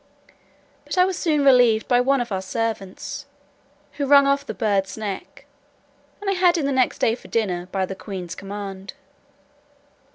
But I was soon relieved by one of our servants, who wrung off the bird's neck, and I had him next day for dinner, by the queen's command.